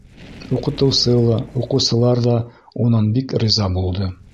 Уҡытыусы ла, уҡыусылар ҙа унан бик риза булды.